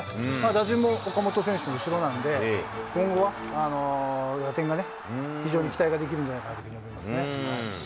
打順も岡本選手の後ろなんで、今後は打点がね、非常に期待ができるんじゃないかなというふうに思いますよね。